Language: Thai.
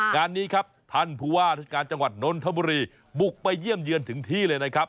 งานนี้ครับท่านผู้ว่าราชการจังหวัดนนทบุรีบุกไปเยี่ยมเยือนถึงที่เลยนะครับ